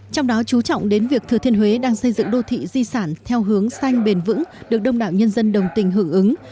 trong đó chú trọng đến việc thừa thiên huế đang xây dựng đô thị di sản theo hướng xanh bền vững được đông đảo nhân dân đồng tình hưởng ứng